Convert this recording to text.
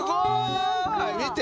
見て！